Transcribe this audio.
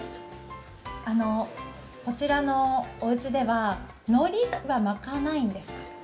あのう、こちらのおうちではのりは巻かないんですか？